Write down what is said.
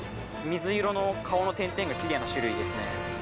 水色の顔の点々がキレイな種類ですね。